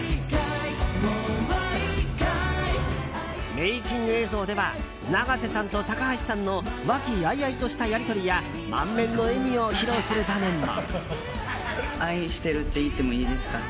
メイキング映像では永瀬さんと高橋さんの和気あいあいとしたやり取りや満面の笑みを披露する場面も。